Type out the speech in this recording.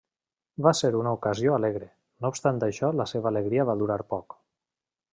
Va ser una ocasió alegre, no obstant això la seva alegria va durar poc.